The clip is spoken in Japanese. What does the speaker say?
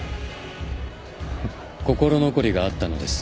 心残りがあったのです。